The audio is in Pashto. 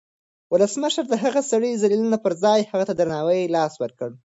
ولسمشر د هغه سړي د ذلیلولو پر ځای هغه ته د درناوي لاس ورکړ.